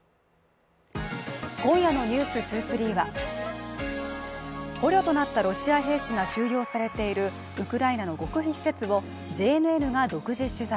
今夜の「ｎｅｗｓ２３」は捕虜となったロシア兵士が収容されているウクライナの極秘施設をＪＮＮが独自取材